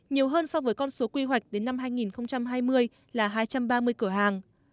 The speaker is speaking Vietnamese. nhiều hơn so với con số quy hoạch đến năm hai nghìn hai mươi là hai trăm ba mươi cửa hàng